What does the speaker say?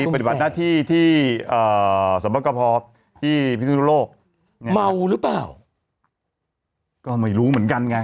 ปฏิบัติหน้าที่ที่เอ่อสมบัติก็พอที่โลกเหมือนกันก็ไม่รู้เหมือนกันไง